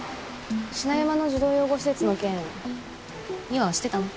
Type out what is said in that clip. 品山の児童養護施設の件三和は知ってたの？